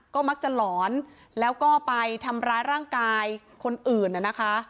ก็มักจะหลอนแล้วก็ไปทำร้ายร่างกายคนอื่นนะคะ